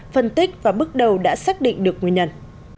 phân tích và bước đầu đã xác định được nguyên nhân